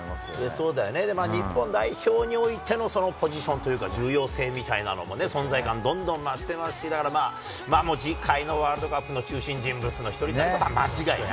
そうだよね、日本代表においてのそのポジションというか、重要性みたいなのもね、存在感、どんどん増してますし、だからまあ、もう次回のワールドカップの中心人物の一人になることは間違いない。